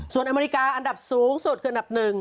ส่วนอเมริกาอันดับสูงสุดคืออันดับ๑